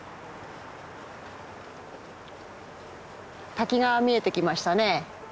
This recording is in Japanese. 滝が見えてきましたね。